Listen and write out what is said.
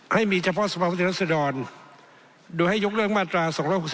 ให้มีเฉพาะสภาพุทธรัศดรโดยให้ยกเลิกมาตรา๒๖๒